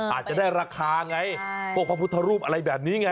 อาจจะได้ราคาไงพวกพระพุทธรูปอะไรแบบนี้ไง